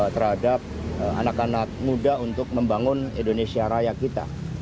terhadap anak anak muda untuk membangun indonesia raya kita